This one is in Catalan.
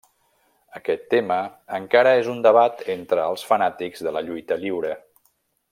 Aquest tema encara és un debat entre els fanàtics de la lluita lliure.